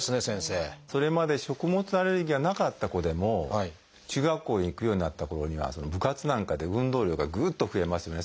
それまで食物アレルギーがなかった子でも中学校へ行くようになったころには部活なんかで運動量がぐっと増えますよね。